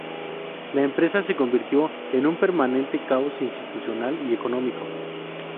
La empresa se convirtió en un permanente caos institucional y económico.